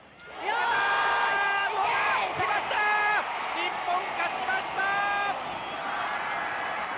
日本、勝ちました！